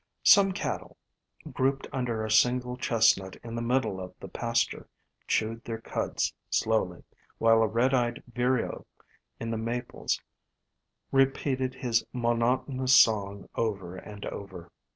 Some cattle, grouped under a single Chestnut in the middle of the pasture, chewed their cuds slowly, while a red eyed vireo in the Maples repeated his monotonous song over and over.